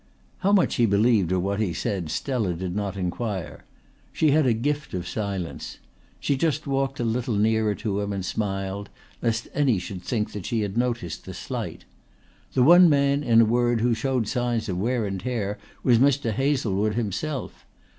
How much he believed of what he said Stella did not inquire. She had a gift of silence. She just walked a little nearer to him and smiled, lest any should think she had noticed the slight. The one man, in a word, who showed signs of wear and tear was Mr. Hazlewood himself.